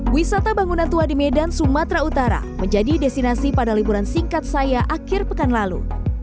wisata bangunan tua di medan sumatera utara menjadi destinasi pada liburan singkat saya akhir pekan lalu